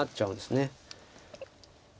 そうですね